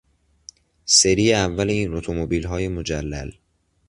سری اول این اتومبیل های مجلل